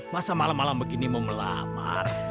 masa malam malam begini mau melamar